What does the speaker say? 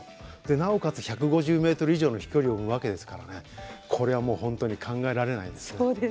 なおかつ１５０メートル以上の飛距離を生むわけですからこれはもう本当に考えられないですね。